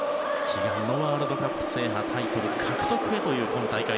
悲願のワールドカップ制覇タイトル獲得へという今大会。